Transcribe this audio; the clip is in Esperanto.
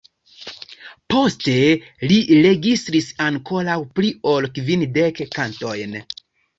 Poste li registris ankoraŭ pli ol kvindek kantojn.